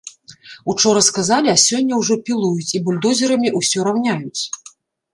Учора сказалі, а сёння ўжо пілуюць і бульдозерамі ўсё раўняюць!